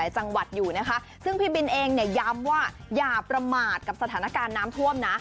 จังหวัดอยู่นะคะซึ่งพี่บินเองเนี่ยย้ำว่าอย่าประมาทกับสถานการณ์น้ำท่วมนะ